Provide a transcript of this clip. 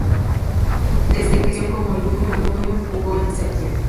Desde que se inició como junior jugó en Serbia.